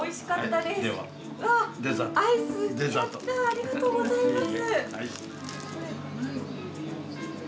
ありがとうございます！